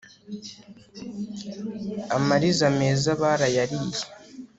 Amariza meza barayariye